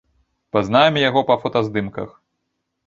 Пазнаем яго па фотаздымках.